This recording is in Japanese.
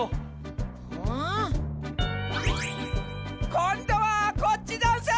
こんどはこっちざんす！